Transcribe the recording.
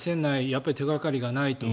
やっぱり手掛かりがないと。